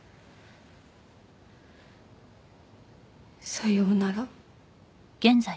さようなら